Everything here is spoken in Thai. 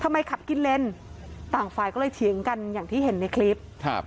ขับกินเลนต่างฝ่ายก็เลยเถียงกันอย่างที่เห็นในคลิปครับ